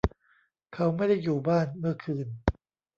เขาไม่ได้อยู่บ้านเมื่อคืน